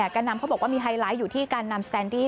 การนำเขาบอกว่ามีไฮไลท์อยู่ที่นำแซนดี้